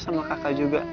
sama kakak juga kan ya